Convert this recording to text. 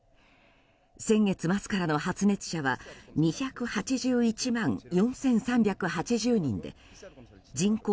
先月末からの発熱者は２８１万４３８０人で人口